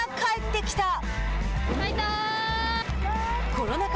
コロナ禍